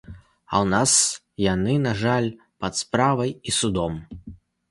А ў нас яны, на жаль, пад справай і судом.